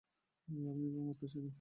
আমি এভাবে মরতে চাই না!